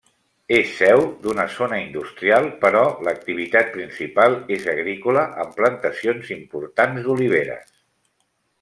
És seu d'una zona industrial, però l'activitat principal és agrícola amb plantacions importants d'oliveres.